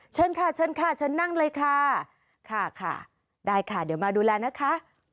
เชิญค่ะเชิญค่ะเชิญนั่งเลยค่ะค่ะได้ค่ะเดี๋ยวมาดูแลนะคะ